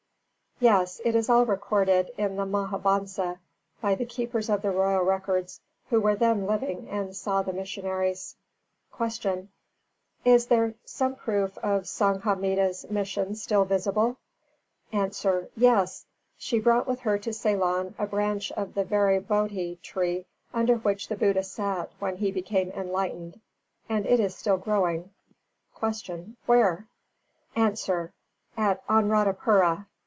Yes, it is all recorded in the Mahāvansa, by the keepers of the royal records, who were then living and saw the missionaries. 298. Q. Is there some proof of Sanghamitta's mission still visible? A. Yes; she brought with her to Ceylon a branch of the very Bodhi tree under which the Buddha sat when he became Enlightened, and it is still growing. 299. Q. Where? A. At Annrādhapura.